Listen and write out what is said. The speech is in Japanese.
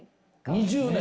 ２０年！